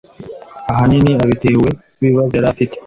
ahanini abitewe n’ibibazo yarafite